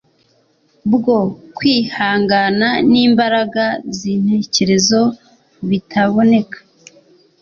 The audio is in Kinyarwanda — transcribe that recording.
bwo kwihangana nimbaraga zintekerezo bitaboneka